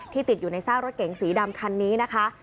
ติดอยู่ในซากรถเก๋งสีดำคันนี้นะคะ